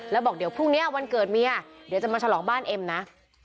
แล้วบอกเดี๋ยวพรุ่งนี้วันเกิดเมียเดี๋ยวจะมาฉลองบ้านเอ็มนะ